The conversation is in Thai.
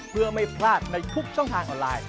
เพื่อไม่พลาดในทุกช่องทางออนไลน์